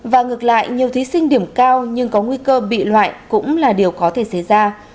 và ngược lại nhiều thí sinh điểm cao nhưng có nguy cơ bị loại cũng là điều có thể xảy ra